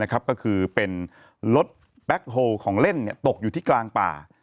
ก็คือเป็นรถแบ็คโฮลของเล่นตกอยู่ที่กลางป่า